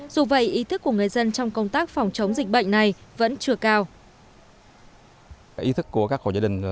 dù vậy ý thức của người dân trong công tác phòng chống dịch bệnh này vẫn chưa cao